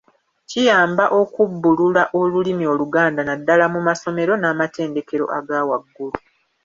Kiyamba okubbulula olulimi Oluganda naddala mu masomero n’amatendekero aga waggulu.